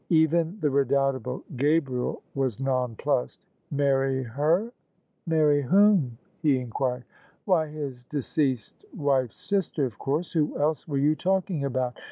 Even the redoubtable Gabriel was nonplussed. " Marry her ? Marry whom ?" he inquired. "Why, his deceased wife's sister of course. Who else were you talking about